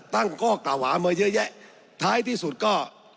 ตั้งข้อกล่าวหามาเยอะแยะท้ายที่สุดก็